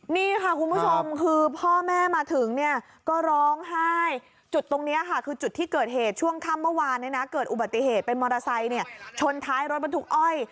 นี่ค่ะคุณผู้ชมคือพ่อแม่มาถึงเนี่ยก็ร้องไห้จุดตรงนี้ค่ะคือจุดที่เกิดเหตุช่วงค่ำเมื่อวานเกิดอุบัติเหตุเป็นมอเตอร์ไซค์ชนท้ายรถบรรทุกอ้อย